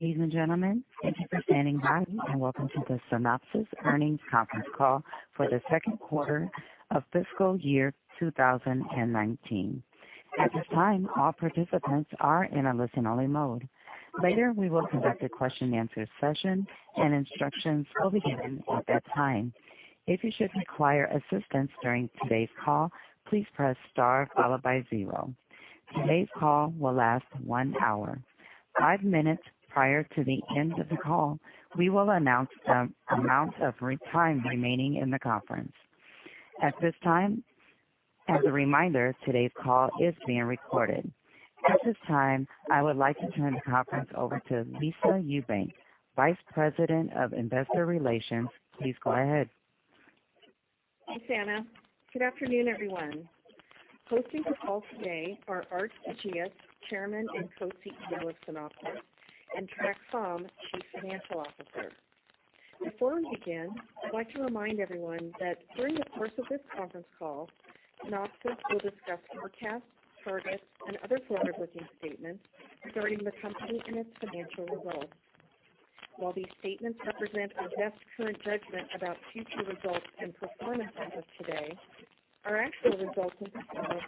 Ladies and gentlemen, thank you for standing by, and welcome to the Synopsys earnings conference call for the second quarter of fiscal year 2019. At this time, all participants are in a listen-only mode. Later, we will conduct a question and answer session, and instructions will begin at that time. If you should require assistance during today's call, please press star followed by zero. Today's call will last one hour. Five minutes prior to the end of the call, we will announce the amount of time remaining in the conference. As a reminder, today's call is being recorded. At this time, I would like to turn the conference over to Lisa Ewbank, Vice President of Investor Relations. Please go ahead. Thanks, Anna. Good afternoon, everyone. Hosting the call today are Aart de Geus, Chairman and Co-CEO of Synopsys, and Trac Pham, Chief Financial Officer. Before we begin, I'd like to remind everyone that during the course of this conference call, Synopsys will discuss forecasts, targets, and other forward-looking statements regarding the company and its financial results. While these statements represent our best current judgment about future results and performance as of today, our actual results and performance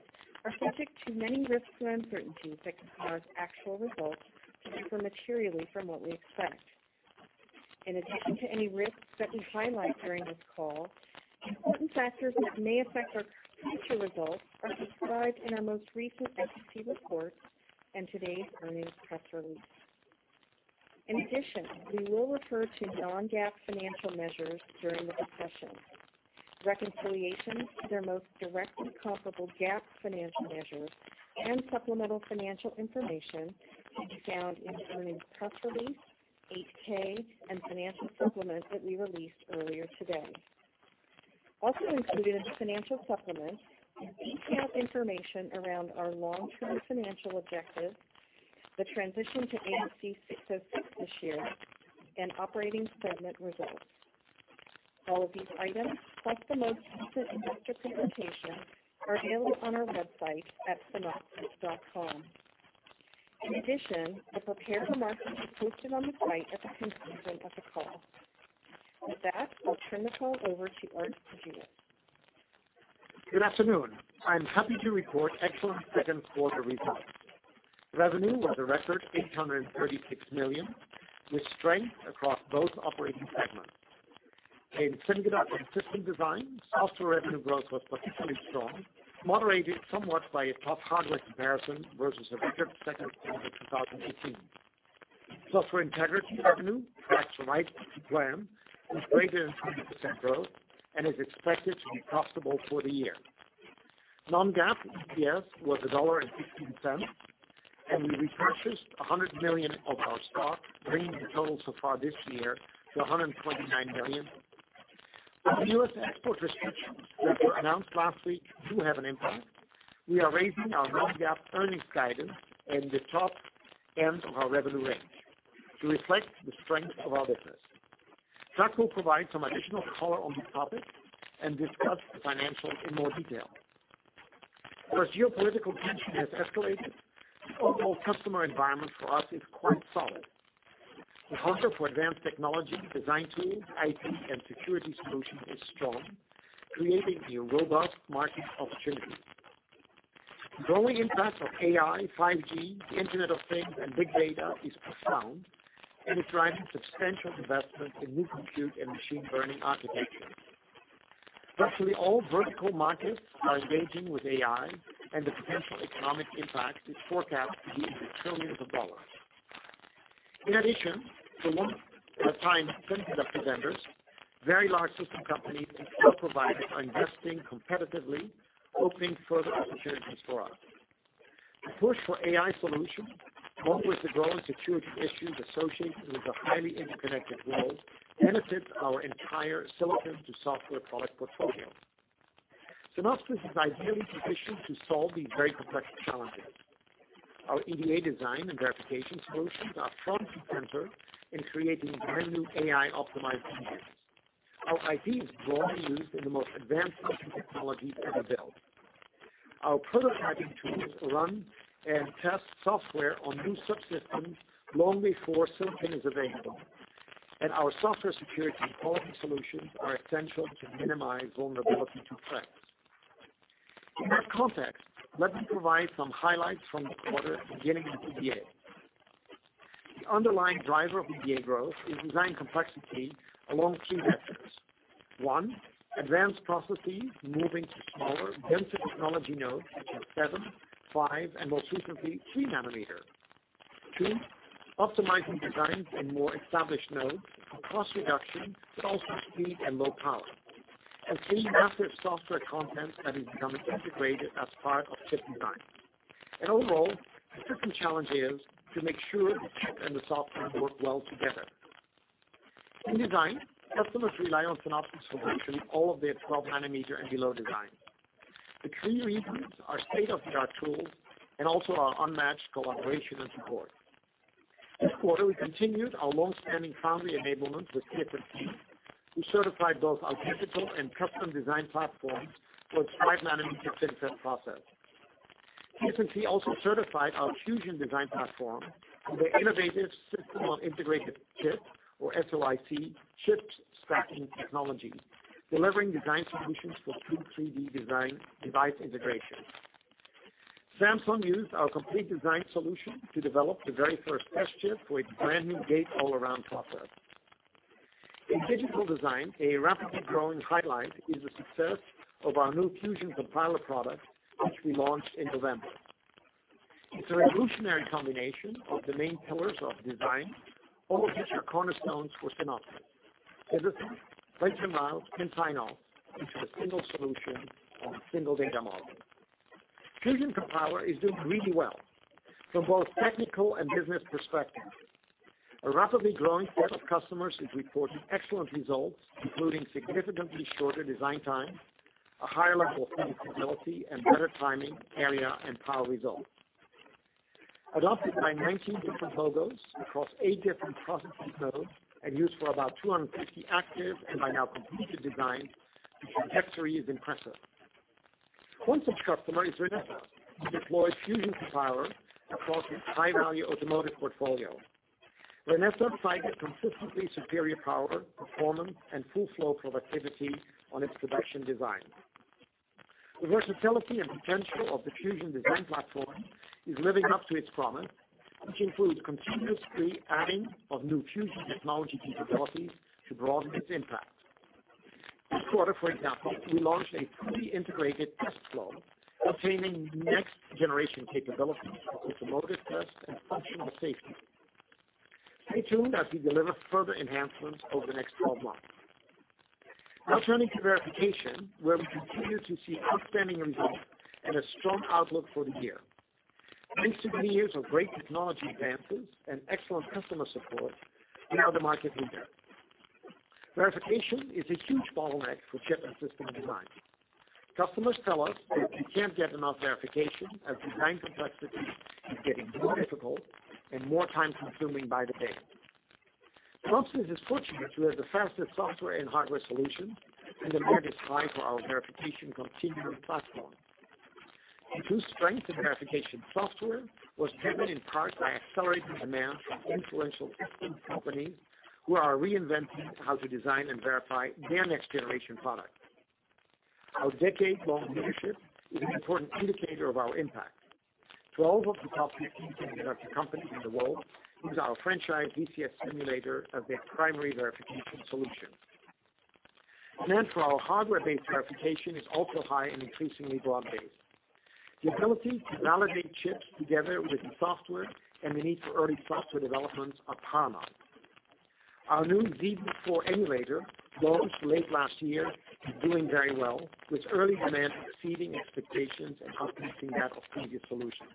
are subject to many risks and uncertainties that could cause actual results to differ materially from what we expect. In addition to any risks that we highlight during this call, important factors that may affect our future results are described in our most recent SEC report and today's earnings press release. In addition, we will refer to non-GAAP financial measures during the discussion. Reconciliations to their most directly comparable GAAP financial measures and supplemental financial information can be found in the earnings press release, 8-K, and financial supplement that we released earlier today. Also included in the financial supplement is detailed information around our long-term financial objectives, the transition to ASC 606 this year, and operating segment results. All of these items, plus the most recent investor presentation, are available on our website at synopsys.com. In addition, the prepared remarks will be posted on the site at the conclusion of the call. With that, I'll turn the call over to Aart de Geus. Good afternoon. I'm happy to report excellent second quarter results. Revenue was a record $836 million, with strength across both operating segments. In semiconductor system design, software revenue growth was particularly strong, moderated somewhat by a tough hardware comparison versus the second quarter of 2018. Software integrity revenue tracks right to plan with greater than 20% growth and is expected to be profitable for the year. Non-GAAP EPS was $1.15, and we repurchased $100 million of our stock, bringing the total so far this year to $129 million. If the U.S. export restrictions that were announced last week do have an impact, we are raising our non-GAAP earnings guidance at the top end of our revenue range to reflect the strength of our business. Trac will provide some additional color on this topic and discuss the financials in more detail. As geopolitical tension has escalated, the overall customer environment for us is quite solid. The hunger for advanced technology, design tools, IP, and security solutions is strong, creating a robust market opportunity. The growing impact of AI, 5G, Internet of Things, and big data is profound and is driving substantial investment in new compute and machine learning architectures. Virtually all vertical markets are engaging with AI, and the potential economic impact is forecast to be in the trillions of dollars. In addition, for the first time semiconductor vendors, very large system companies, and cloud providers are investing competitively, opening further opportunities for us. The push for AI solutions, along with the growing security issues associated with a highly interconnected world, benefits our entire silicon-to-software product portfolio. Synopsys is ideally positioned to solve these very complex challenges. Our EDA design and verification solutions are front and center in creating brand-new AI-optimized engines. Our IP is broadly used in the most advanced computing technologies being built. Our prototyping tools run and test software on new subsystems long before silicon is available, and our software security and quality solutions are essential to minimize vulnerability to threats. In that context, let me provide some highlights from the quarter beginning with EDA. The underlying driver of EDA growth is design complexity along two vectors. One. Advanced processes moving to smaller, denser technology nodes such as seven, five, and most recently, three nanometer. Two. Optimizing designs in more established nodes for cost reduction, but also speed and low power. Three. Massive software content that is becoming integrated as part of chip design. Overall, the system challenge is to make sure the chip and the software work well together. In design, customers rely on Synopsys solutions all of their 12-nanometer and below designs. The key reasons are state-of-the-art tools and also our unmatched collaboration and support. This quarter, we continued our longstanding foundry enablement with TSMC. We certified both our physical and custom design platform for its five-nanometer FinFET process. TSMC also certified our Fusion Design Platform and their innovative System on Integrated Chips, or SoIC, chips stacking technology, delivering design solutions for true 3D design device integration. Samsung used our complete design solution to develop the very first test chip for its brand-new gate-all-around process. In digital design, a rapidly growing highlight is the success of our new Fusion Compiler product, which we launched in November. It's a revolutionary combination of the main pillars of design, all of which are cornerstones for Synopsys. Physical, place and route, and sign-off into a single solution on a single data model. Fusion Compiler is doing really well from both technical and business perspectives. A rapidly growing set of customers is reporting excellent results, including significantly shorter design time, a higher level of predictability, and better timing, area, and power results. Adopted by 19 different logos across eight different process nodes and used for about 250 active and by now completed designs, the trajectory is impressive. One such customer is Renesas, who deployed Fusion Compiler across its high-value automotive portfolio. Renesas cited consistently superior power, performance, and full flow productivity on its production design. The versatility and potential of the Fusion Design Platform is living up to its promise, which includes continuously adding of new Fusion technology capabilities to broaden its impact. This quarter, for example, we launched a fully integrated test flow, obtaining next-generation capabilities for automotive tests and functional safety. Stay tuned as we deliver further enhancements over the next 12 months. Turning to verification, where we continue to see outstanding results and a strong outlook for the year. Thanks to years of great technology advances and excellent customer support, we are the market leader. Verification is a huge bottleneck for chip and system design. Customers tell us that you can't get enough verification as design complexity is getting more difficult and more time-consuming by the day. Synopsys is fortunate to have the fastest software and hardware solutions and the broadest size for our Verification Continuum platform. Improved strength in verification software was driven in part by accelerating demand from influential system companies who are reinventing how to design and verify their next-generation products. Our decade-long leadership is an important indicator of our impact. 12 of the top 15 semiconductor companies in the world use our franchise VCS simulator as their primary verification solution. Demand for our hardware-based verification is also high and increasingly broad-based. The ability to validate chips together with the software and the need for early software development are paramount. Our new ZeBu Server 4 emulator, launched late last year, is doing very well, with early demand exceeding expectations and outpacing that of previous solutions.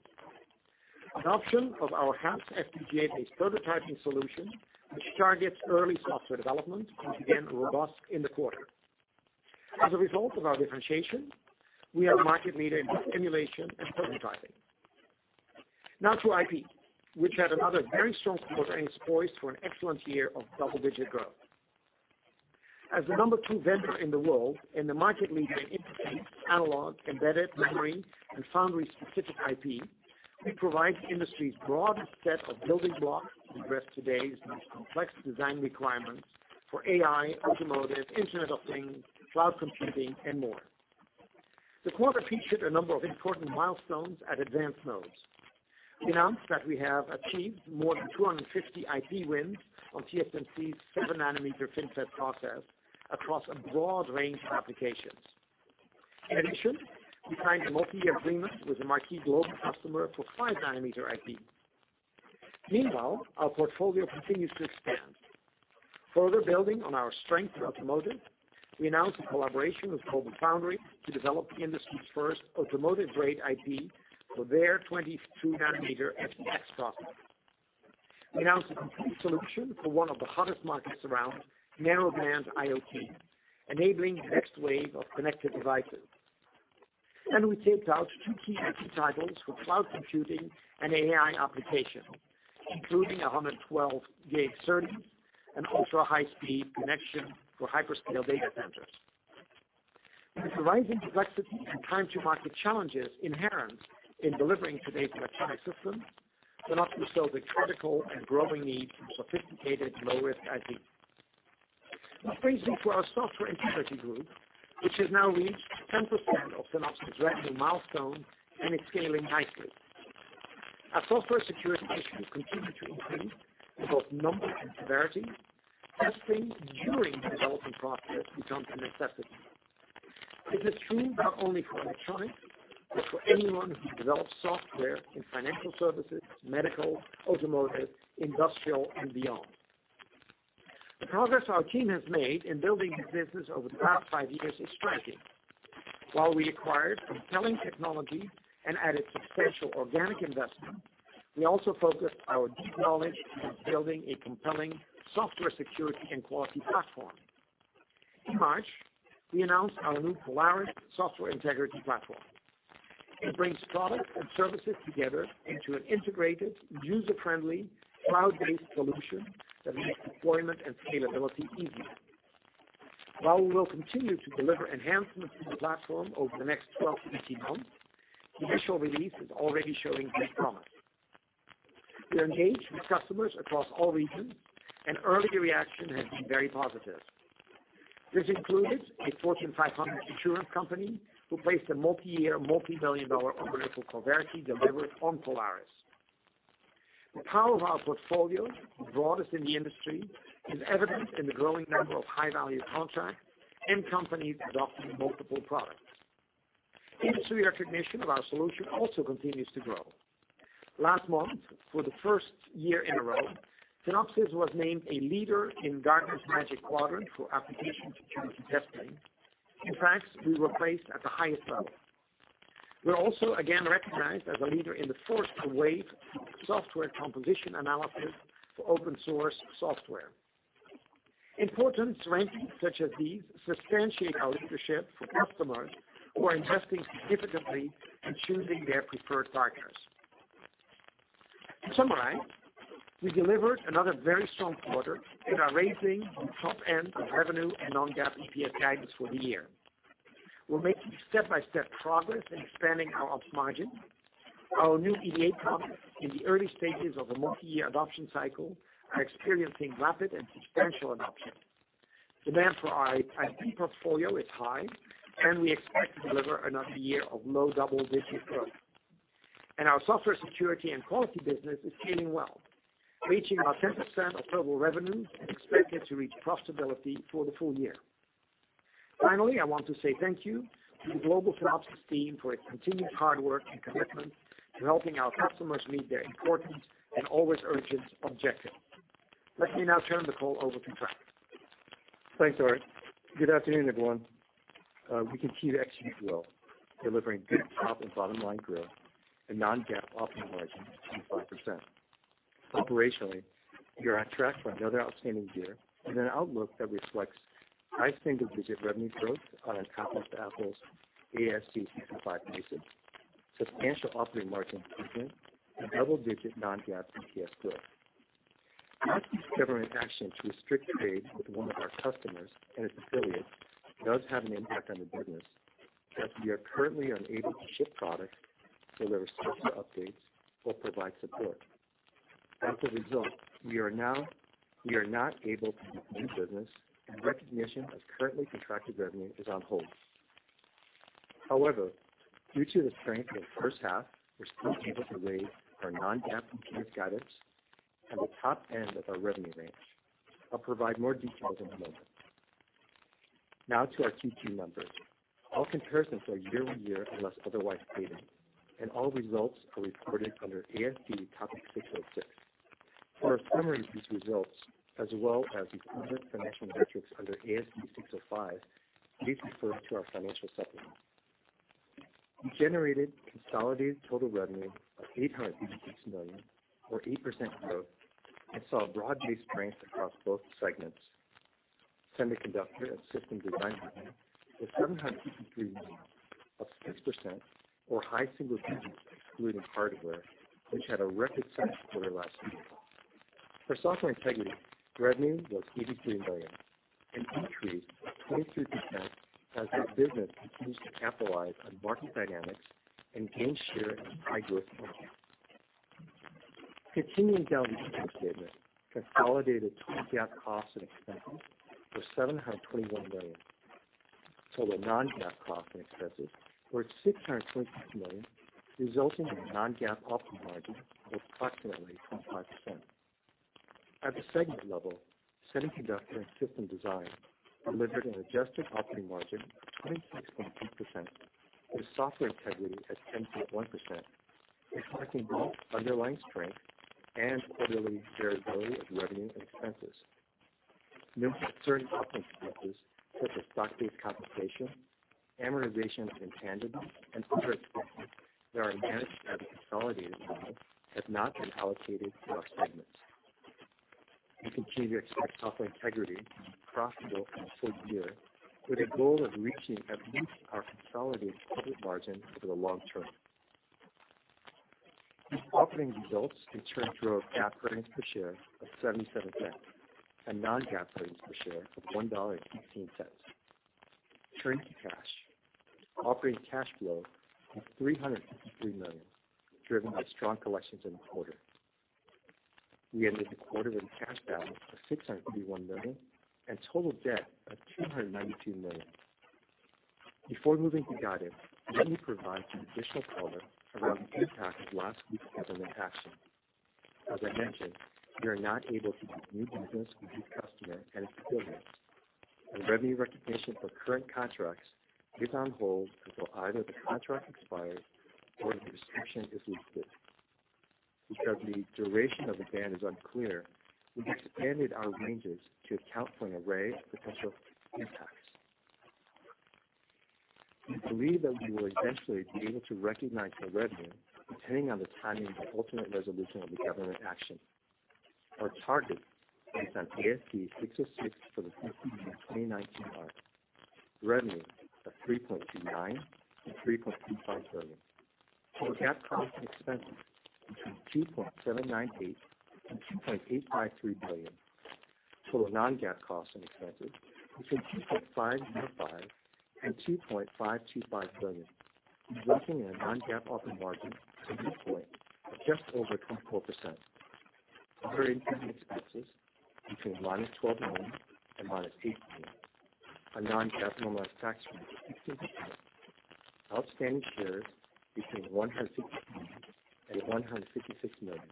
Adoption of our HAPS FPGA-based prototyping solution, which targets early software development, was again robust in the quarter. As a result of our differentiation, we are market leader in both emulation and prototyping. To IP, which had another very strong quarter and is poised for an excellent year of double-digit growth. As the number 2 vendor in the world and the market leader in interface, analog, embedded memory, and foundry-specific IP, we provide the industry's broadest set of building blocks to address today's most complex design requirements for AI, automotive, Internet of Things, cloud computing, and more. The quarter featured a number of important milestones at advanced nodes. We announced that we have achieved more than 250 IP wins on TSMC's 7 nanometer FinFET process across a broad range of applications. In addition, we signed a multi-year agreement with a marquee global customer for 5 nanometer IP. Our portfolio continues to expand. Further building on our strength in automotive, we announced a collaboration with GlobalFoundries to develop the industry's first automotive-grade IP for their 22 nanometer FDX process. We announced a complete solution for one of the hottest markets around, Narrowband IoT, enabling the next wave of connected devices. We taped out two key IP cycles for cloud computing and AI applications, including 112G SerDes and ultra-high-speed connection for hyperscale data centers. With the rising complexity and time to market challenges inherent in delivering today's electronic systems, Synopsys fills a critical and growing need for sophisticated low-risk IP. This brings me to our Software Integrity Group, which has now reached 10% of Synopsys revenue milestone, and it's scaling nicely. As software security issues continue to increase in both number and severity, testing during the development process becomes a necessity. This is true not only for electronics, but for anyone who develops software in financial services, medical, automotive, industrial, and beyond. The progress our team has made in building this business over the past five years is striking. While we acquired compelling technology and added substantial organic investment, we also focused our deep knowledge on building a compelling software security and quality platform. In March, we announced our new Polaris Software Integrity Platform. It brings product and services together into an integrated, user-friendly, cloud-based solution that makes deployment and scalability easy. While we will continue to deliver enhancements to the platform over the next 12-18 months, the initial release is already showing great promise. We are engaged with customers across all regions, and early reaction has been very positive. This includes a Fortune 500 insurance company who placed a multi-year, multi-million dollar order for Coverity delivered on Polaris. The power of our portfolio, the broadest in the industry, is evident in the growing number of high-value contracts and companies adopting multiple products. Industry recognition of our solution also continues to grow. Last month, for the first year in a row, Synopsys was named a leader in Gartner's Magic Quadrant for Application Security Testing. In fact, we were placed at the highest level. We are also again recognized as a leader in the fourth wave of Software Composition Analysis for open source software. Important rankings such as these substantiate our leadership for customers who are investing significantly in choosing their preferred partners. To summarize, we delivered another very strong quarter and are raising the top end of revenue and non-GAAP EPS guidance for the year. We're making step-by-step progress in expanding our ops margin. Our new EDA products in the early stages of a multi-year adoption cycle are experiencing rapid and substantial adoption. Demand for our IP portfolio is high, and we expect to deliver another year of low double-digit growth. Our software security and quality business is scaling well, reaching about 10% of total revenue and expected to reach profitability for the full year. Finally, I want to say thank you to the global Synopsys team for its continued hard work and commitment to helping our customers meet their important and always urgent objectives. Let me now turn the call over to Trac. Thanks, Aart. Good afternoon, everyone. We continued to execute well, delivering good top and bottom-line growth and non-GAAP operating margin of 25%. Operationally, we are on track for another outstanding year and an outlook that reflects high single-digit revenue growth on an apples-to-apples ASC 605 basis, substantial operating margin expansion, and double-digit non-GAAP EPS growth. Last week's government action to restrict trade with one of our customers and its affiliates does have an impact on the business, as we are currently unable to ship product, deliver software updates, or provide support. As a result, we are not able to take new business and recognition of currently contracted revenue is on hold. However, due to the strength of the first half, we're still able to raise our non-GAAP EPS guidance and the top end of our revenue range. I'll provide more details in a moment. Now to our Q2 numbers. All comparisons are year-over-year unless otherwise stated, and all results are reported under ASC topic 606. For a summary of these results, as well as the implicit financial metrics under ASC 605, please refer to our financial supplement. We generated consolidated total revenue of $856 million or 8% growth and saw broad-based strength across both segments. Semiconductor and system design revenue was $753 million, up 6% or high single digits excluding hardware, which had a record quarter last year. For Software Integrity, revenue was $83 million, an increase of 23% as the business continues to capitalize on market dynamics and gain share in high-growth accounts. Continuing down the income statement, consolidated GAAP costs and expenses were $721 million. Total non-GAAP costs and expenses were $626 million, resulting in a non-GAAP operating margin of approximately 25%. At the segment level, semiconductor and system design delivered an adjusted operating margin of 26.2%, with Software Integrity at 10.1%, reflecting both underlying strength and quarterly variability of revenue and expenses. Note that certain operating expenses, such as stock-based compensation, amortization of intangibles, and other expenses that are managed at the consolidated level have not been allocated to our segments. We continue to expect Software Integrity to be profitable for the full year, with a goal of reaching at least our consolidated profit margin over the long term. These operating results returned growth GAAP earnings per share of $0.77 and non-GAAP earnings per share of $1.15. Turning to cash, operating cash flow was $353 million, driven by strong collections in the quarter. We ended the quarter with a cash balance of $651 million and total debt of $292 million. Before moving to guidance, let me provide some additional color around the impact of last week's government action. As I mentioned, we are not able to take new business with this customer and its affiliates, and revenue recognition for current contracts is on hold until either the contract expires or the restriction is lifted. Because the duration of the ban is unclear, we've expanded our ranges to account for an array of potential impacts. We believe that we will eventually be able to recognize the revenue, depending on the timing and ultimate resolution of the government action. Our targets based on ASC 606 for the full year 2019 are revenue of $3.29 billion and $3.25 billion. Total GAAP costs and expenses between $2.798 billion and $2.853 billion. Total non-GAAP costs and expenses between $2.505 billion and $2.525 billion, resulting in a non-GAAP operating margin between 4.0% and just over 24%. Other income and expenses between negative $12 million and negative $8 million. A non-GAAP normalized tax rate of 15%. Outstanding shares between 150 million and 156 million.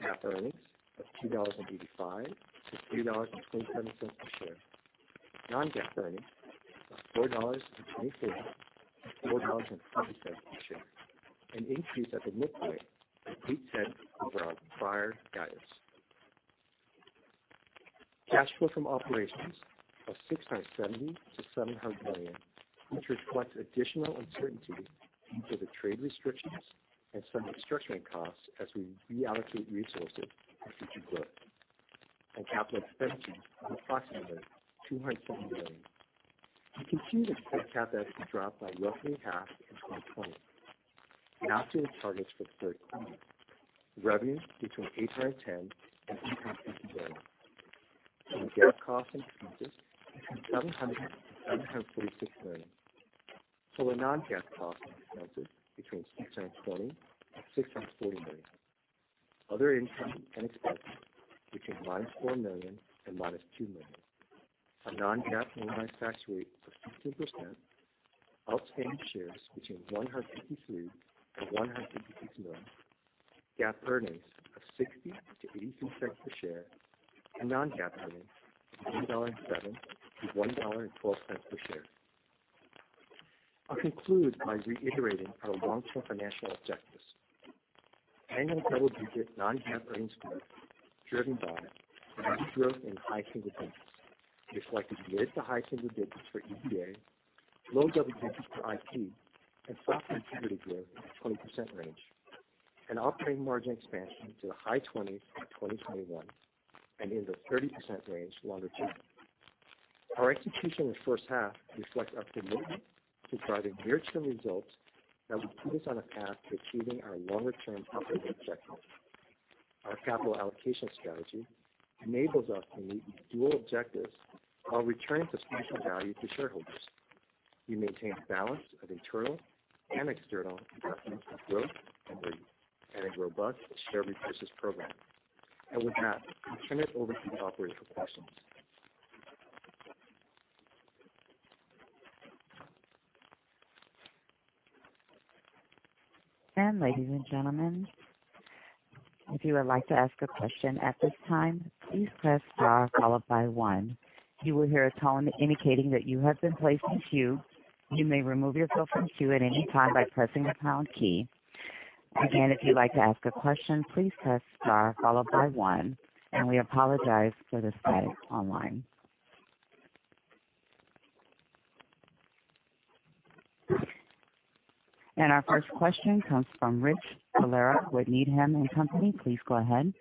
GAAP earnings of $2.85 to $3.27 per share. Non-GAAP earnings of $4.23 to $4.27 per share, an increase at the midpoint of $0.08 over our prior guidance. Cash flow from operations of $670 million to $700 million, which reflects additional uncertainty due to the trade restrictions and some restructuring costs as we reallocate resources for future growth. Capital expenditures of approximately $250 million. You can see that total CapEx has dropped by roughly half in 2020. Now to the targets for third quarter. Revenue between $810 million and $850 million. Total GAAP costs and expenses between $700 million and $746 million. Total non-GAAP costs and expenses between $620 million and $640 million. Other income and expenses between negative $4 million and negative $2 million. A non-GAAP normalized tax rate of 15%. Outstanding shares between 153 million and 156 million. GAAP earnings of $0.60 to $0.82 per share, and non-GAAP earnings of $1.07 to $1.12 per share. I'll conclude by reiterating our long-term financial objectives. Annual double-digit non-GAAP earnings growth driven by revenue growth in high single digits. Selected mid to high single digits for EDA. Low double digits for IP. Software and services growth in the 20% range. An operating margin expansion to the high 20s by 2021, and in the 30% range longer term. Our execution in the first half reflects our commitment to driving durable results that will put us on a path to achieving our longer-term operating objectives. Our capital allocation strategy enables us to meet dual objectives while returning substantial value to shareholders. We maintain a balance of internal and external investments for growth and return and a robust share repurchase program. With that, I'll turn it over to the operator for questions. Ladies and gentlemen, if you would like to ask a question at this time, please press star followed by one. You will hear a tone indicating that you have been placed in queue. You may remove yourself from queue at any time by pressing the pound key. Again, if you'd like to ask a question, please press star followed by one. We apologize for this delay online. Our first question comes from Richard Valera with Needham & Company. Please go ahead.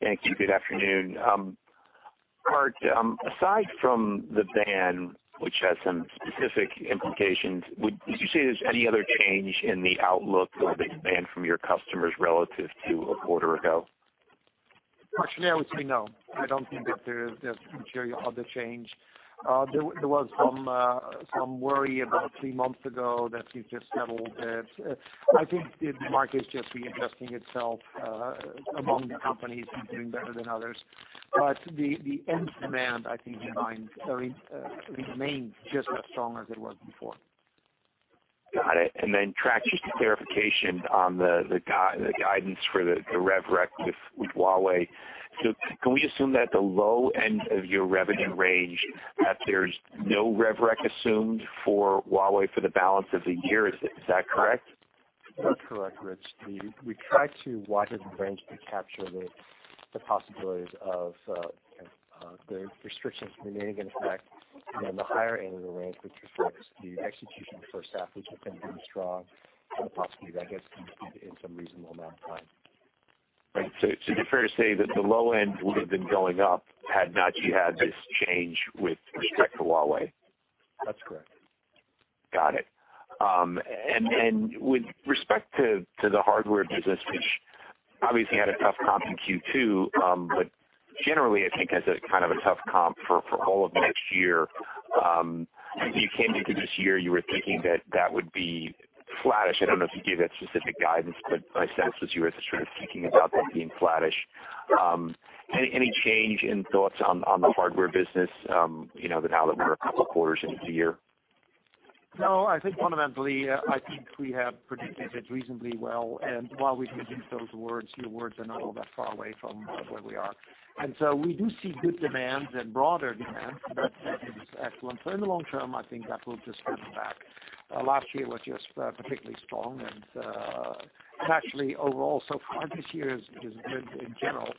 Thank you. Good afternoon. Mark, aside from the ban, which has some specific implications, would you say there's any other change in the outlook or the demand from your customers relative to a quarter ago? Actually, I would say no. I don't think that there's material other change. There was some worry about three months ago that seems to have settled a bit. I think the market is just readjusting itself, among the companies, some doing better than others. The end demand, I think remains just as strong as it was before. Got it. Just a clarification on the guidance for the rev rec with Huawei. Can we assume that the low end of your revenue range, that there's no rev rec assumed for Huawei for the balance of the year? Is that correct? That's correct, Rich. We tried to widen the range to capture the possibilities of the restrictions remaining in effect. The higher end of the range, which reflects the execution in the first half, which has been pretty strong, and the possibility that gets completed in some reasonable amount of time. Right. Is it fair to say that the low end would have been going up had not you had this change with respect to Huawei? That's correct. With respect to the hardware business, which obviously had a tough comp in Q2, but generally, I think has a kind of a tough comp for all of next year. When you came into this year, you were thinking that that would be flattish. I don't know if you gave that specific guidance, but my sense was you were sort of thinking about that being flattish. Any change in thoughts on the hardware business, now that we're a couple quarters into the year? No, I think fundamentally, I think we have predicted it reasonably well. While we didn't use those words, your words are not all that far away from where we are. We do see good demand and broader demand than in Q4. In the long term, I think that will just come back. Last year was just particularly strong and actually overall so far this year is good in general.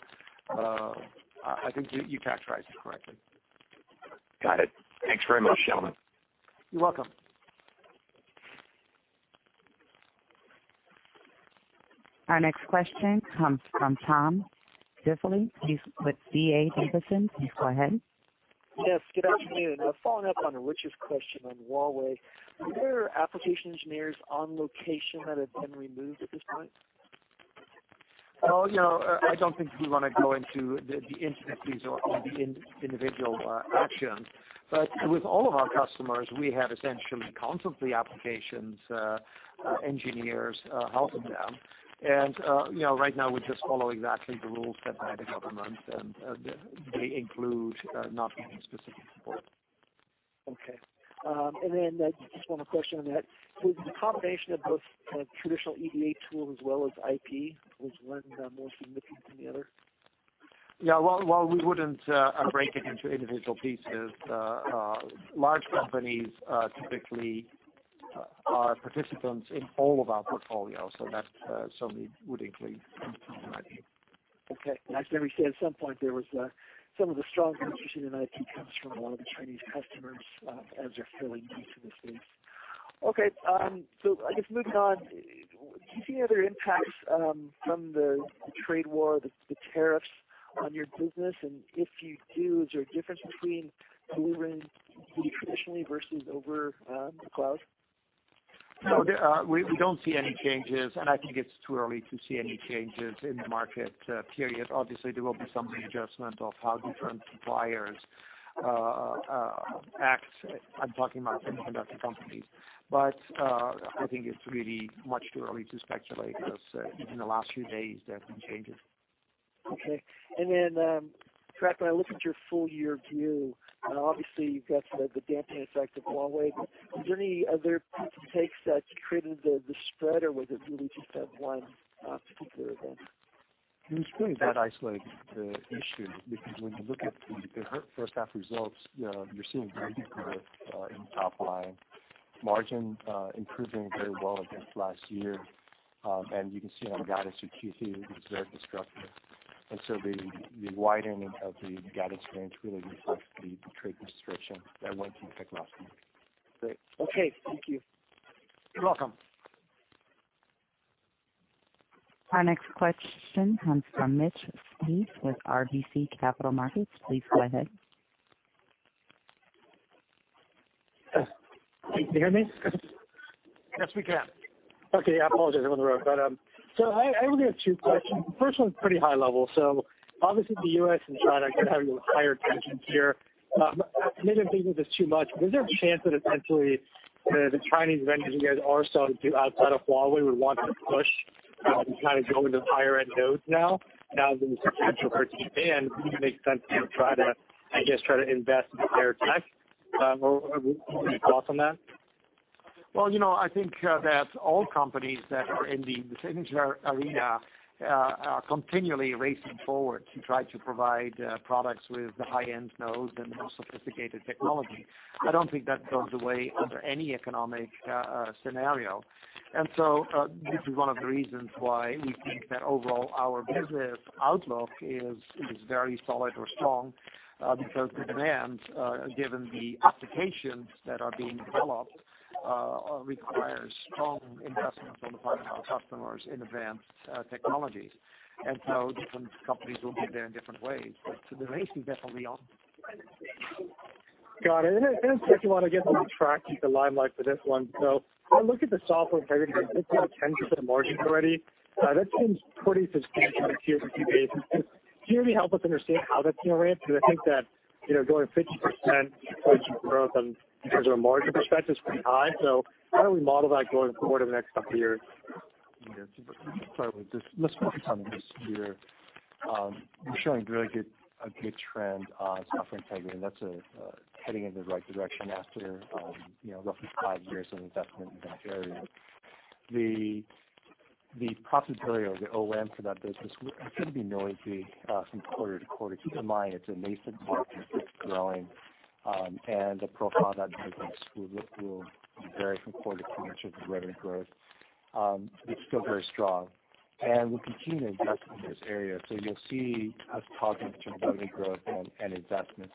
I think you characterize it correctly. Got it. Thanks very much, gentlemen. You're welcome. Our next question comes from Tom Diffely. He's with D.A. Davidson. Please go ahead. Yes, good afternoon. Following up on Rich's question on Huawei, were there application engineers on location that have been removed at this point? Well, I don't think we want to go into the intricacies or the individual actions. With all of our customers, we have essentially constantly applications engineers helping them. Right now we're just following exactly the rules set by the government, and they include not giving specific support. Okay. Then just one more question on that. With the combination of both kind of traditional EDA tools as well as IP, was one more significant than the other? Yeah. While we wouldn't break it into individual pieces, large companies typically are participants in all of our portfolios, so that certainly would include IP. Okay. I just remember you saying at some point there was some of the strong interest in IP comes from a lot of the Chinese customers as they're filling pieces. Okay, I guess moving on, do you see any other impacts from the trade war, the tariffs on your business? If you do, is there a difference between delivering traditionally versus over the cloud? No, we don't see any changes, I think it's too early to see any changes in the market period. Obviously, there will be some readjustment of how different suppliers act, I'm talking about semiconductor companies. I think it's really much too early to speculate because even in the last few days, there have been changes. Okay. Then, Trac, when I look at your full-year view, obviously you've got the damping effect of Huawei. Was there any other piece it takes that created the spread, or was it really just that one particular event? It's pretty hard isolating the issue, because when you look at the first half results, you're seeing very good growth in top line margin, improving very well against last year. You can see on guidance for Q3, it's very disruptive. The widening of the guidance range really reflects the trade restriction that went into effect last month. Great. Okay. Thank you. You're welcome. Our next question comes from Mitch Steves with RBC Capital Markets. Please go ahead. Can you hear me? Yes, we can. Okay. I apologize. I'm on the road. I only have two questions. The first one's pretty high level. Obviously the U.S. and China are going to have higher tensions here. Maybe I'm thinking this too much, but is there a chance that potentially the Chinese vendors you guys are selling to outside of Huawei would want to push and kind of go into the higher-end nodes now that there's potential for it to ban, it makes sense to try to invest in their tech? Any thoughts on that? Well, I think that all companies that are in the semiconductor arena are continually racing forward to try to provide products with the high-end nodes and more sophisticated technology. I don't think that goes away under any economic scenario. This is one of the reasons why we think that overall our business outlook is very solid or strong because the demand, given the applications that are being developed, requires strong investment on the part of our customers in advanced technologies. Different companies will get there in different ways. The race is definitely on. Got it. If you want to give a little Trac, keep the limelight for this one. When I look at the Software Integrity, it's got a 10% margin already. That seems pretty substantial on a year-over-year basis. Can you maybe help us understand how that's going to ramp? I think that going 50% growth on in terms of a margin perspective is pretty high. How do we model that going forward in the next couple of years? Sorry. Let's focus on this year. We're showing a good trend on Software Integrity, and that's heading in the right direction after roughly five years of investment in that area. The profitability or the OM for that business could be noisy from quarter to quarter. Keep in mind it's a nascent market that's growing, and the profile of that business will vary from quarter to quarter as the revenue grows. It's still very strong, and we continue to invest in this area. You'll see us talking in terms of revenue growth and investments.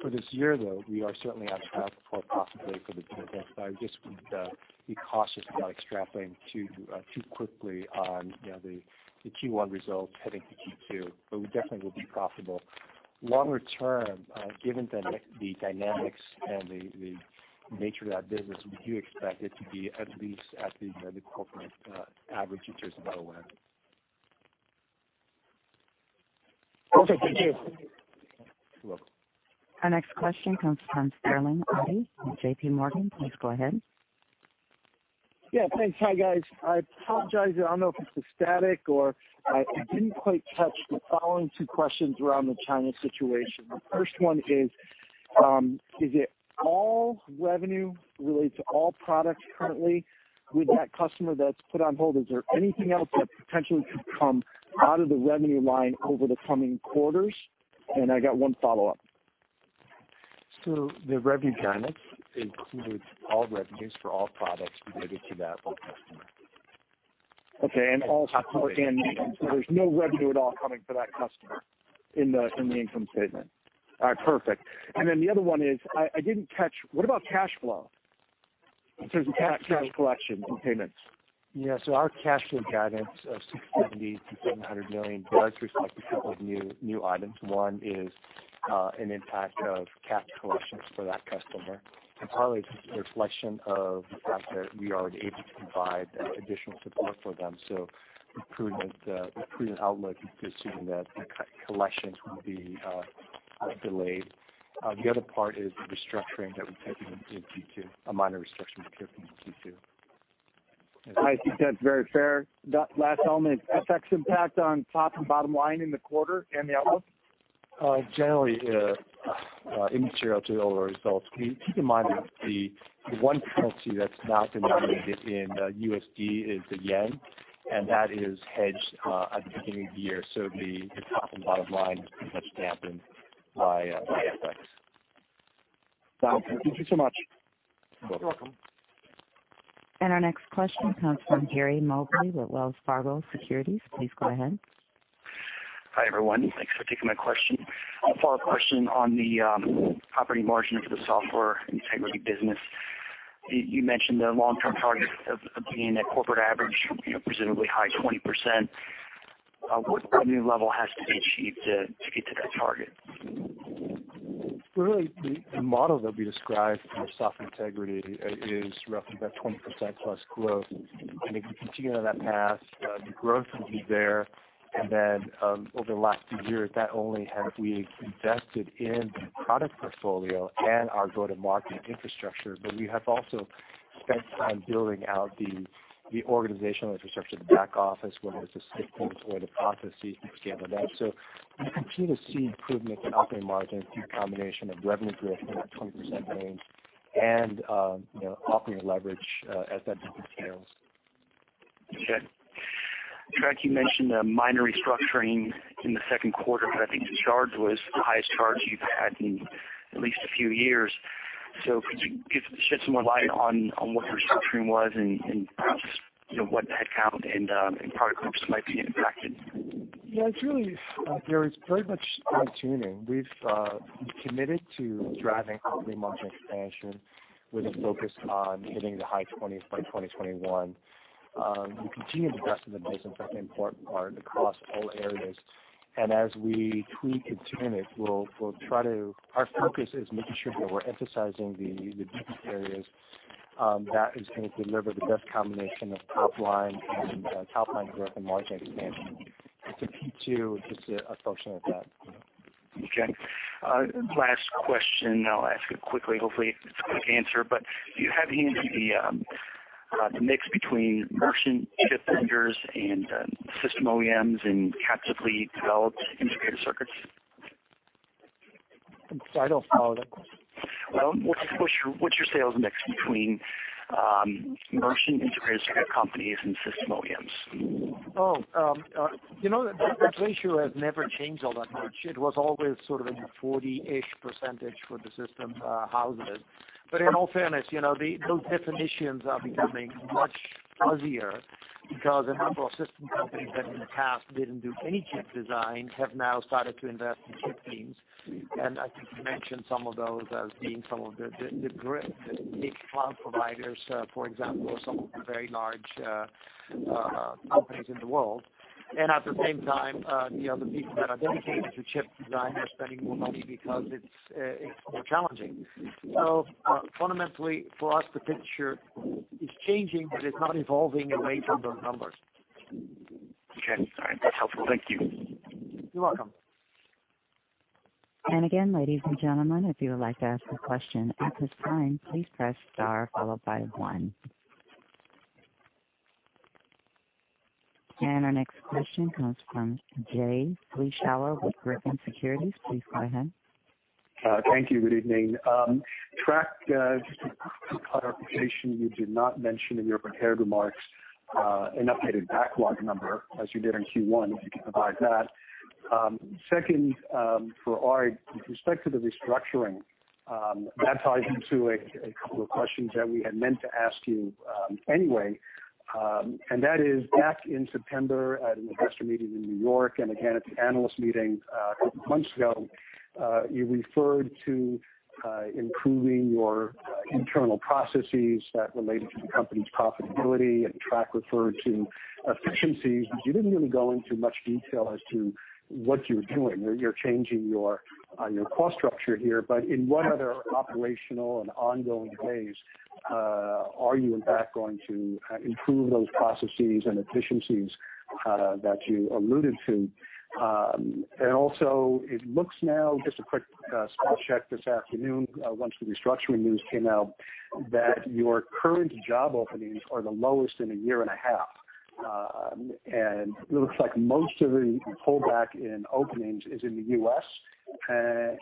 For this year, though, we are certainly on track for profitability for the business. I just would be cautious about extrapolating too quickly on the Q1 results heading to Q2, but we definitely will be profitable. Longer term, given the dynamics and the nature of that business, we do expect it to be at least at the corporate average in terms of ROA. Okay, thank you. You're welcome. Our next question comes from Sterling Auty with JPMorgan. Please go ahead. Thanks. Hi, guys. I apologize, I don't know if it's the static or I didn't quite catch the following two questions around the China situation. The first one is it all revenue related to all products currently with that customer that's put on hold? Is there anything else that potentially could come out of the revenue line over the coming quarters? I got one follow-up. The revenue guidance includes all revenues for all products related to that one customer. Okay. There's no revenue at all coming for that customer in the income statement? All right, perfect. The other one is, I didn't catch, what about cash flow? In terms of cash collections and payments. Yeah. Our cash flow guidance of $650 million-$700 million does reflect a couple of new items. One is an impact of cash collections for that customer, partly it's a reflection of the fact that we are able to provide additional support for them. Improved outlook, assuming that collections will be delayed. The other part is the restructuring that we took in Q2, a minor restructuring we took in Q2. I think that's very fair. That last element, FX impact on top and bottom line in the quarter and the outlook? Generally, immaterial to the overall results. Keep in mind that the one currency that's not going to be in USD is the yen, and that is hedged at the beginning of the year. The top and bottom line is pretty much dampened by FX. Sounds good. Thank you so much. You're welcome. Our next question comes from Gary Mobley with Wells Fargo Securities. Please go ahead. Hi, everyone. Thanks for taking my question. A follow-up question on the operating margin for the Software Integrity Group. You mentioned the long-term target of being at corporate average, presumably high 20%. What revenue level has to be achieved to get to that target? Really, the model that we described for Software Integrity Group is roughly about 20%-plus growth. If we continue on that path, the growth will be there. Over the last few years, not only have we invested in the product portfolio and our go-to-market infrastructure, but we have also spent time building out the organizational infrastructure, the back office, whether it's the systems or the processes, et cetera. You continue to see improvement in operating margin through a combination of revenue growth in that 20% range and operating leverage as that business scales. Okay. Trac, you mentioned a minor restructuring in the second quarter. I think the charge was the highest charge you've had in at least a few years. Could you shed some more light on what the restructuring was and just what headcount and product groups might be impacted? Yeah, Gary, it's pretty much fine-tuning. We've committed to driving operating margin expansion with a focus on hitting the high 20s by 2021. We continue to invest in the business, in fact, in important part across all areas. As we tweak and tune it, our focus is making sure that we're emphasizing the business areas that is going to deliver the best combination of top-line growth and margin expansion. Q2 was just a function of that. Okay. Last question. I'll ask it quickly. Hopefully, it's a quick answer. Do you have handy the mix between merchant chip vendors and system OEMs and captively developed integrated circuits? I'm sorry, I don't follow that question. What's your sales mix between merchant integrated circuit companies and system OEMs? Oh. That ratio has never changed all that much. It was always sort of in the 40-ish percentage for the system houses. In all fairness, those definitions are becoming much fuzzier because a number of system companies that in the past didn't do any chip design have now started to invest in chip teams. I think you mentioned some of those as being some of the big cloud providers, for example, or some of the very large companies in the world. At the same time, the people that are dedicated to chip design are spending more money because it's more challenging. Fundamentally for us, the picture is changing, but it's not evolving away from those numbers. Okay. All right. That's helpful. Thank you. You're welcome. Again, ladies and gentlemen, if you would like to ask a question at this time, please press star followed by one. Our next question comes from Jay Vleeschhouwer with Griffin Securities. Please go ahead. Thank you. Good evening. Trac, just a quick clarification. You did not mention in your prepared remarks an updated backlog number as you did in Q1, if you could provide that. Second, for Aart, with respect to the restructuring, that ties into a couple of questions that we had meant to ask you anyway, that is back in September at an investor meeting in New York, again at the analyst meeting a couple months ago, you referred to improving your internal processes that related to the company's profitability, Trac referred to efficiencies, you didn't really go into much detail as to what you were doing. You're changing your cost structure here, in what other operational and ongoing ways are you in fact going to improve those processes and efficiencies that you alluded to? Also, it looks now, just a quick spot check this afternoon, once the restructuring news came out, that your current job openings are the lowest in a year and a half. It looks like most of the pullback in openings is in the U.S.,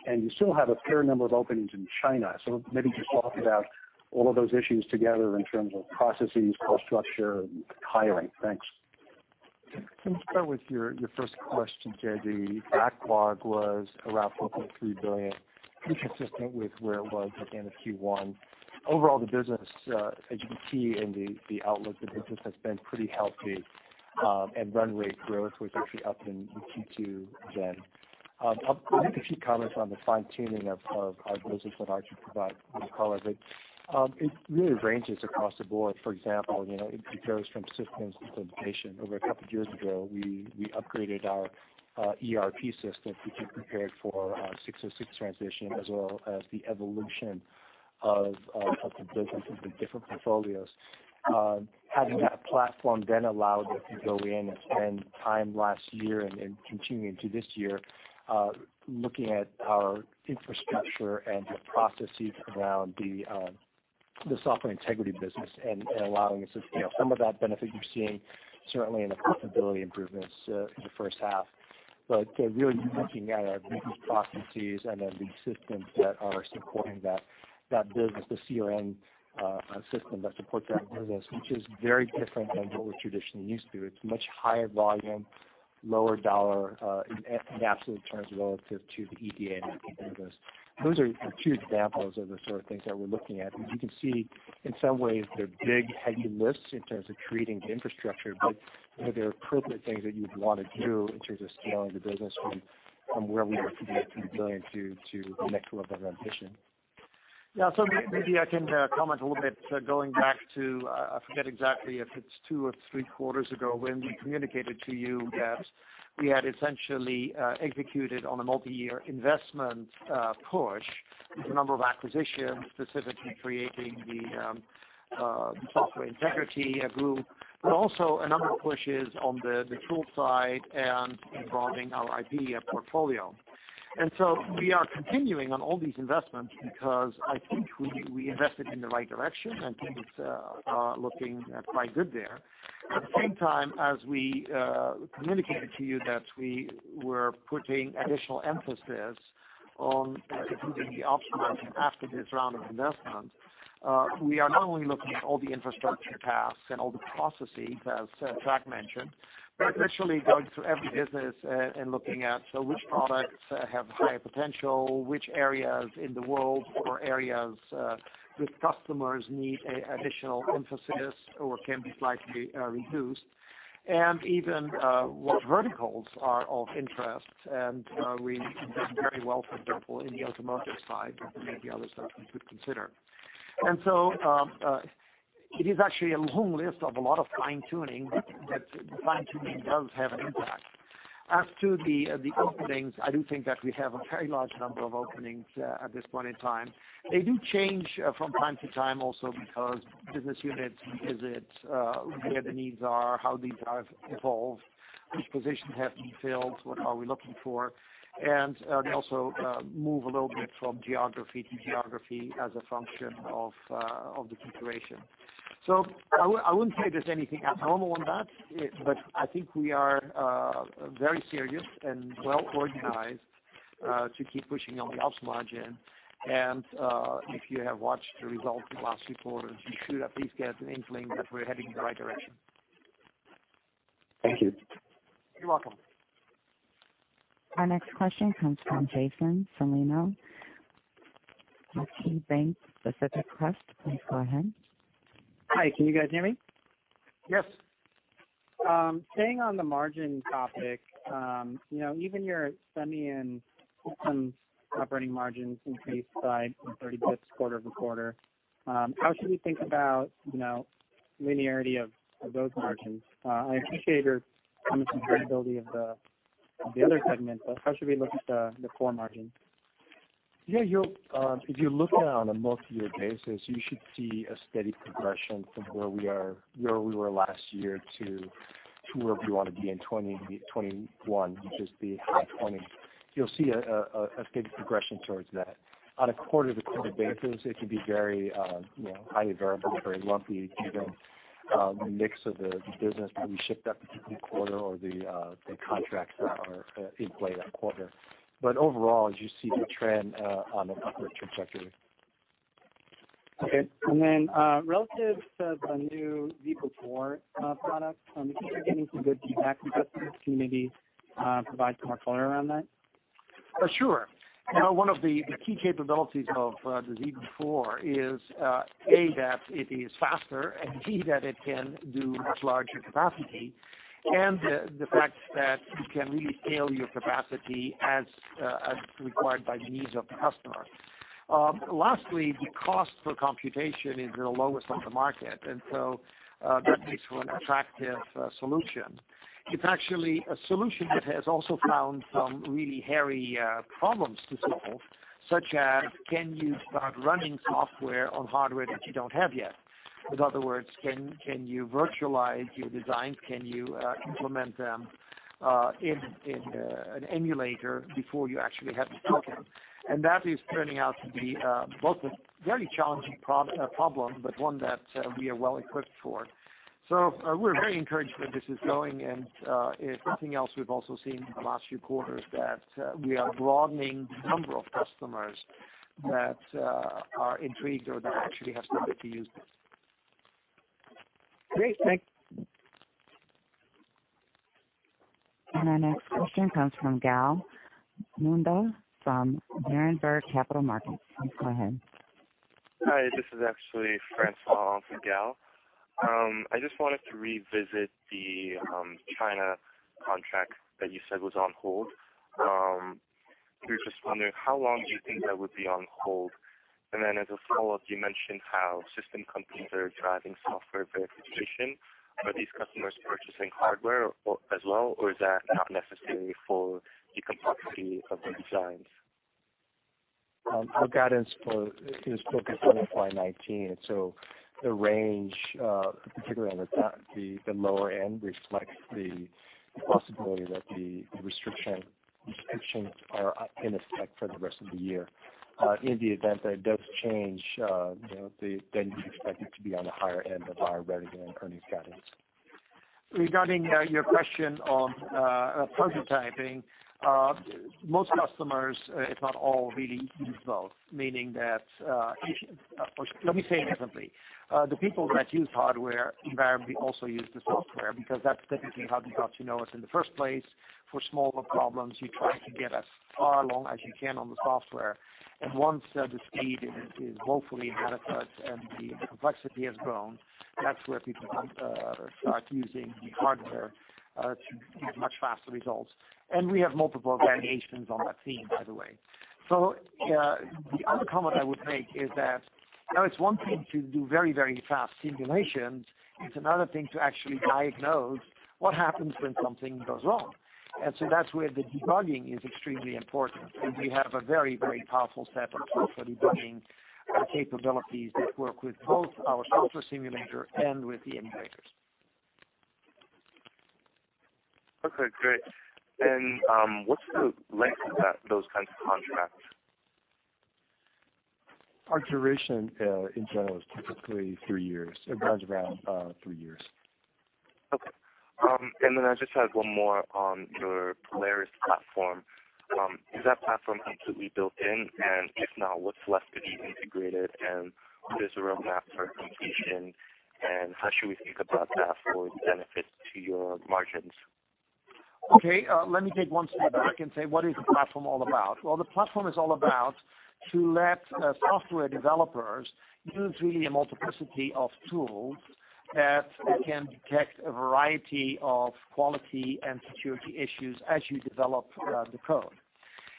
and you still have a fair number of openings in China. Maybe just talk about all of those issues together in terms of processes, cost structure, and hiring. Thanks. Let me start with your first question, Jay. The backlog was around $4.3 billion, pretty consistent with where it was at the end of Q1. Overall, the business, as you can see in the outlook, the business has been pretty healthy. Run rate growth was actually up in Q2 then. I'll make a few comments on the fine-tuning of those that Aart provided, Carlo, but it really ranges across the board. For example, it varies from systems to implementation. A couple years ago, we upgraded our ERP system to be prepared for our ASC 606 transition, as well as the evolution of types of businesses with different portfolios. Having that platform then allowed us to go in and spend time last year and continue into this year, looking at our infrastructure and the processes around the Software Integrity Group business and allowing us to. Some of that benefit you're seeing, certainly in the profitability improvements in the first half. Really looking at our business processes and then the systems that are supporting that business, the CRM system that supports that business, which is very different than what we traditionally used to. It's much higher volume, lower dollar in absolute terms relative to the EDA business. Those are two examples of the sort of things that we're looking at. As you can see, in some ways, they're big, heavy lifts in terms of creating the infrastructure. They're appropriate things that you would want to do in terms of scaling the business from where we were today to the next level of ambition. Yeah. Maybe I can comment a little bit, going back to, I forget exactly if it's two or three quarters ago, when we communicated to you that we had essentially executed on a multi-year investment push with a number of acquisitions, specifically creating the Software Integrity Group, but also a number of pushes on the tool side and broadening our IP portfolio. We are continuing on all these investments because I think we invested in the right direction and things are looking quite good there. At the same time, as we communicated to you that we were putting additional emphasis on improving the ops margin after this round of investment, we are not only looking at all the infrastructure tasks and all the processes, as Trac mentioned, but literally going through every business and looking at: which products have higher potential, which areas in the world or areas with customers need additional emphasis or can be slightly reduced, and even what verticals are of interest. We did very well, for example, in the automotive side, but there may be others that we could consider. It is actually a long list of a lot of fine-tuning, but the fine-tuning does have an impact. As to the openings, I do think that we have a very large number of openings at this point in time. They do change from time to time also because business units visit where the needs are, how these have evolved, which positions have been filled, what are we looking for. They also move a little bit from geography to geography as a function of the consideration. I wouldn't say there's anything abnormal on that, but I think we are very serious and well-organized to keep pushing on the ops margin. If you have watched the results the last few quarters, you should at least get an inkling that we're heading in the right direction. Thank you. You're welcome. Our next question comes from Jason Celino of KeyBanc Capital Markets. Please go ahead. Hi, can you guys hear me? Yes. Staying on the margin topic, even your semi and systems operating margins increased by 30 basis points quarter-over-quarter. How should we think about linearity of those margins? I appreciate your comments on profitability of the other segments, but how should we look at the core margins? Yeah, if you look at it on a multi-year basis, you should see a steady progression from where we were last year to where we want to be in 2020, 2021, which is the high 20s. You'll see a steady progression towards that. On a quarter-to-quarter basis, it can be very highly variable, very lumpy, given the mix of the business that we shipped that particular quarter or the contracts that are in play that quarter. Overall, you see the trend on an upward trajectory. Okay. Then relative to the new ZeBu Server 4 product, it seems you're getting some good feedback from customers. Can you maybe provide some more color around that? Sure. One of the key capabilities of the ZeBu Server 4 is, A, that it is faster, and B, that it can do much larger capacity, and the fact that you can really scale your capacity as required by the needs of the customer. Lastly, the cost per computation is the lowest on the market, so that makes for an attractive solution. It's actually a solution that has also found some really hairy problems to solve, such as can you start running software on hardware that you don't have yet? In other words, can you virtualize your designs? Can you implement them in an emulator before you actually have the silicon? That is turning out to be both a very challenging problem, but one that we are well-equipped for. We're very encouraged where this is going, and if anything else, we've also seen in the last few quarters that we are broadening the number of customers that are intrigued or that actually have started to use this. Great. Thanks. Our next question comes from Gal Munda from Berenberg Capital Markets. Please go ahead. Hi, this is actually Francois on for Gal. I just wanted to revisit the China contract that you said was on hold. We were just wondering how long do you think that would be on hold? As a follow-up, you mentioned how system companies are driving software verification. Are these customers purchasing hardware as well, or is that not necessary for the complexity of the designs? Our guidance for is focused on FY 2019, the range, particularly on the lower end, reflects the possibility that the restrictions are in effect for the rest of the year. In the event that it does change, then you can expect it to be on the higher end of our revenue and earnings guidance. Regarding your question on prototyping. Most customers, if not all, really use both, meaning that Let me say it differently. The people that use hardware invariably also use the software, because that's typically how they got to know us in the first place. For smaller problems, you try to get as far along as you can on the software. Once the speed is hopefully adequate and the complexity has grown, that's where people start using the hardware to get much faster results. We have multiple variations on that theme, by the way. The other comment I would make is that now it's one thing to do very, very fast simulations. It's another thing to actually diagnose what happens when something goes wrong. That's where the debugging is extremely important. We have a very, very powerful set of software debugging capabilities that work with both our software simulator and with the emulators. Okay, great. What's the length of those kinds of contracts? Our duration in general is typically three years. It runs around three years. Okay. Then I just had one more on your Polaris Platform. Is that platform completely built in? If not, what's left to be integrated, and what is the roadmap for completion, and how should we think about that for the benefit to your margins? Okay, let me take one step back and say, what is the platform all about? Well, the platform is all about to let software developers use really a multiplicity of tools that can detect a variety of quality and security issues as you develop the code.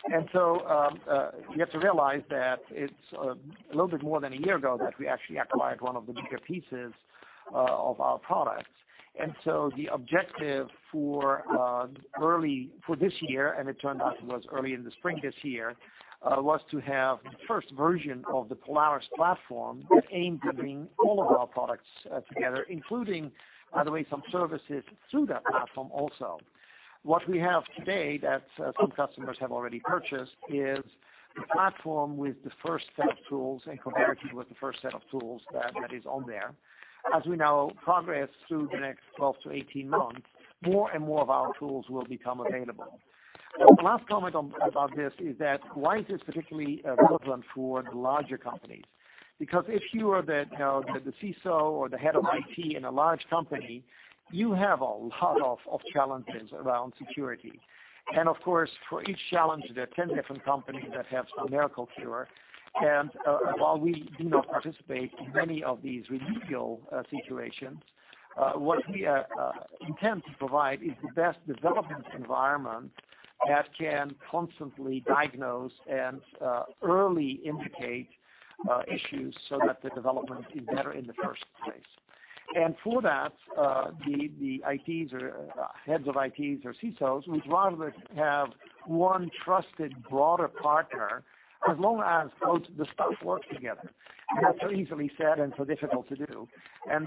You have to realize that it's a little bit more than a year ago that we actually acquired one of the bigger pieces of our products. The objective for this year, and it turned out it was early in the spring this year, was to have the first version of the Polaris Platform that aimed to bring all of our products together, including, by the way, some services through that platform also. What we have today that some customers have already purchased is the platform with the first set of tools and capabilities with the first set of tools that is on there. As we now progress through the next 12 to 18 months, more and more of our tools will become available. The last comment about this is that, why is this particularly relevant for larger companies? Because if you are the CISO or the head of IT in a large company, you have a lot of challenges around security. Of course, for each challenge, there are 10 different companies that have a miracle cure. While we do not participate in many of these remedial situations, what we intend to provide is the best development environment that can constantly diagnose and early indicate issues so that the development is better in the first place. For that, the ITs or heads of ITs or CISOs would rather have one trusted broader partner as long as the stuff works together. That's so easily said and so difficult to do.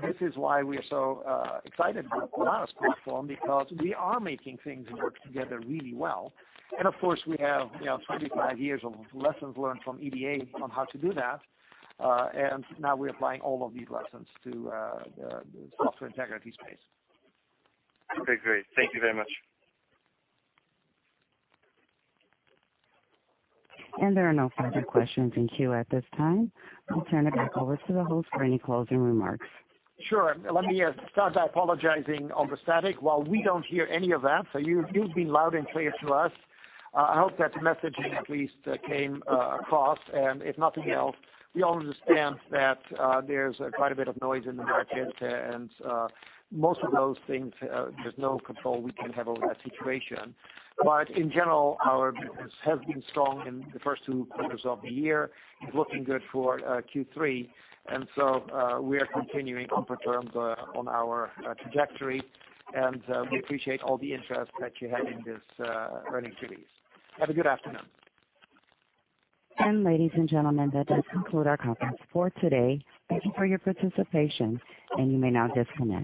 This is why we're so excited about the Polaris Platform because we are making things work together really well. Of course, we have 25 years of lessons learned from EDA on how to do that. Now we're applying all of these lessons to the software integrity space. Okay, great. Thank you very much. There are no further questions in queue at this time. I'll turn it back over to the host for any closing remarks. Sure. Let me start by apologizing on the static. While we don't hear any of that, so you've been loud and clear to us. I hope that message at least came across. If nothing else, we all understand that there's quite a bit of noise in the market and most of those things, there's no control we can have over that situation. In general, our business has been strong in the first two quarters of the year. It's looking good for Q3, so we are continuing on for terms on our trajectory, we appreciate all the interest that you had in this earnings release. Have a good afternoon. Ladies and gentlemen, that does conclude our conference for today. Thank you for your participation, and you may now disconnect.